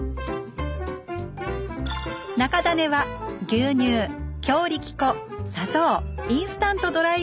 中種は牛乳強力粉砂糖インスタントドライ